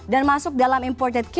dan masuk dalam import